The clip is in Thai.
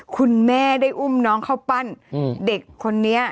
คุณแม่ได้อุ้มน้องเข้าปั้นเด็กคนนี้